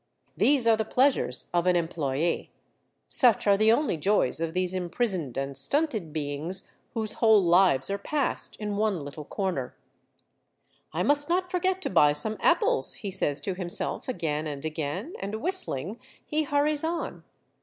These are the pleasures of an employe, such are the only joys of these im prisoned and stunted beings whose whole lives are passed in one little corner. " I must not forget to buy some apples," he says to himself again and again, and whistling he hurries on.